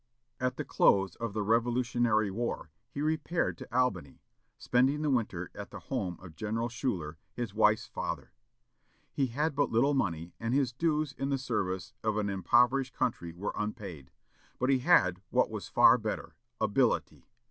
At the close of the Revolutionary War, he repaired to Albany, spending the winter at the home of General Schuyler, his wife's father. He had but little money, and his dues in the service of an impoverished country were unpaid; but he had what was far better, ability.